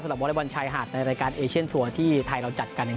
สำหรับวอร์ไลน์วันชายหาดในรายการที่ไทยเราจัดกันอย่าง